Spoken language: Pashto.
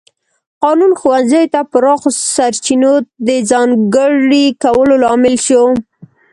قانون ښوونځیو ته پراخو سرچینو د ځانګړي کولو لامل شو.